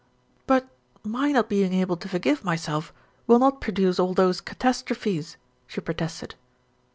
"But my not being able to forgive myself will not produce all those catastrophes," she protested.